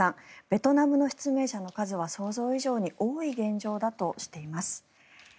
ベトナムの失明者の数は想像以上に多い現状だとしています。